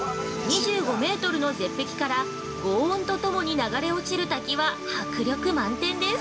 ２５メートルの絶壁から轟音と共に流れ落ちる滝は迫力満点です。